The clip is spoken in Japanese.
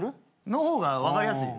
の方が分かりやすい。